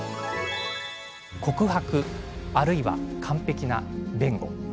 「告白、あるいは完璧な弁護」。